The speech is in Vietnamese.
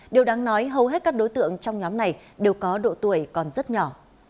điều đáng nói hầu hết các đối tượng trong nhóm này đều có độ tuổi còn rất nhỏ